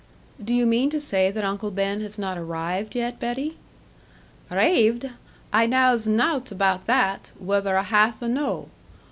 'Do you mean to say that Uncle Ben has not arrived yet, Betty?' 'Raived! I knaws nout about that, whuther a hath of noo.